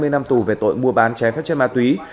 hai mươi năm tù về tội mua bán trái phép chất ma túy